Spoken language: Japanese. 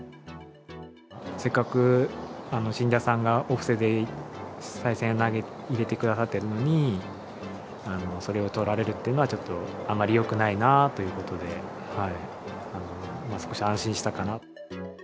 せっかく、信者さんがお布施でさい銭入れてくださってるのに、それをとられるっていうのはちょっと、あまりよくないなということで、少し安心したかな。